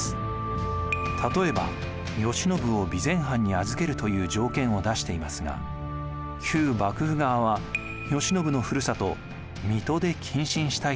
例えば慶喜を備前藩に預けるという条件を出していますが旧幕府側は慶喜のふるさと水戸で謹慎したいと嘆願しています。